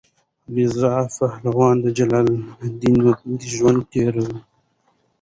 رضا پهلوي د جلاوطنۍ ژوند تېروي.